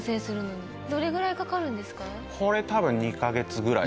これ多分２カ月ぐらい。